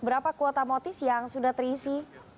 berapa kuota motis yang sudah terisi